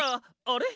あれ？